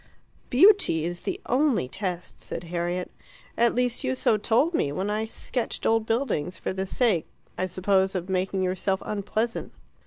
"Beauty is the only test," said Harriet. "At least so you told me when I sketched old buildings for the sake, I suppose, of making yourself unpleasant."